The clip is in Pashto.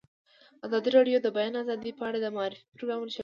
ازادي راډیو د د بیان آزادي په اړه د معارفې پروګرامونه چلولي.